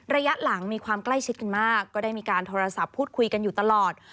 ระยะหลังมีความใกล้ชิดกันมากก็ได้มีการโทรศัพท์พูดคุยกันอยู่ตลอด